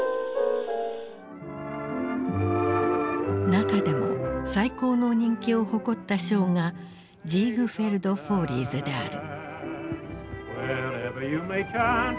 中でも最高の人気を誇ったショーが「ジーグフェルド・フォーリーズ」である。